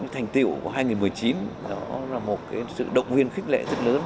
thành tiệu của hai nghìn một mươi chín đó là một sự động viên khích lệ rất lớn